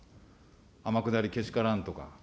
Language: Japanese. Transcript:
天下りけしからんとか。